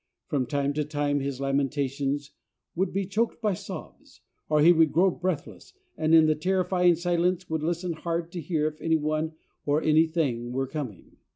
From time to time his lamentations would be choked by sobs, or he would grow breathless, and in the terrifying silence would listen hard to hear if any one or anything were coming.